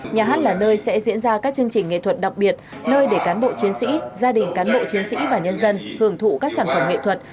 nhà hát là nơi sẽ diễn ra các chương trình nghệ thuật đặc biệt nơi để cán bộ chiến sĩ gia đình cán bộ chiến sĩ và nhân dân hưởng thụ các sản phẩm nghệ thuật